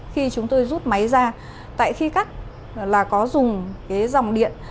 khi chúng tôi rút máy ra tại khi cắt là có dùng cái dòng điện